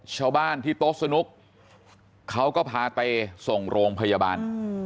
ชาวบ้านที่โต๊ะสนุกเขาก็พาเตส่งโรงพยาบาล